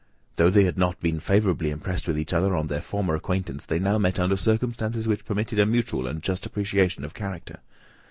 Though they had not been favourably impressed with each other on their former acquaintance, they now met under circumstances which permitted a mutual and just appreciation of character.